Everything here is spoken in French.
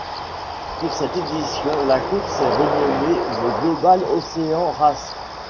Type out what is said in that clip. Pour cette édition, la course est renommée The Global Ocean Race.